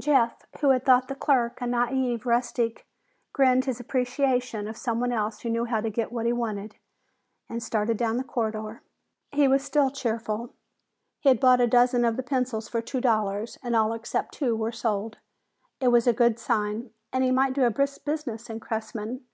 Jeff, who had thought the clerk a naïve rustic, grinned his appreciation of someone else who knew how to get what he wanted and started down the corridor. He was still cheerful; he'd bought a dozen of the pencils for two dollars, and all except two were sold. It was a good sign, and he might do a brisk business in Cressman.